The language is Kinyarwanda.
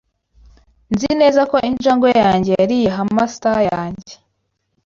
Nzi neza ko injangwe yanjye yariye hamster yanjye.